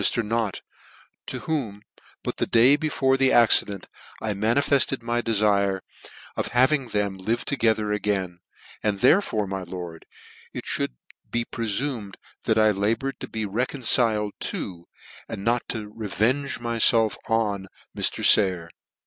ly to Mr. Nott, to whom, but the day before the accident, I manifefted my defire of having them live together again, and therefore, my lord, it fhould be prefumed I laboured to be reconciled to, and not to revenge myielf on, Mr. Sayer.